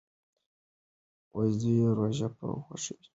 زوی یې روژه په خوښۍ نیسي.